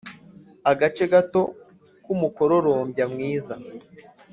agace gato k'umukororombya mwiza